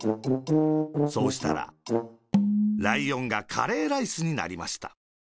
そうしたら、ライオンがカレーライスになりました。